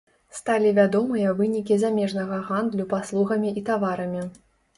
Сталі вядомыя вынікі замежнага гандлю паслугамі і таварамі.